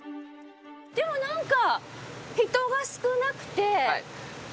でもなんか。